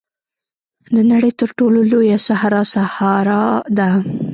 د نړۍ تر ټولو لویه صحرا سهارا ده.